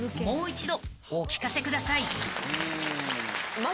もう一度お聞かせください］